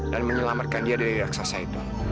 dan menyelamatkan dia dari raksasa itu